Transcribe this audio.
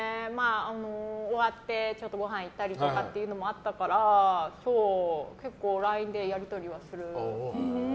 終わって、ごはん行ったりとかっていうのもあったから結構ＬＩＮＥでやり取りはする。